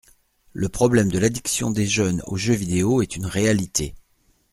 Le problème de l’addiction des jeunes aux jeux vidéo est une réalité.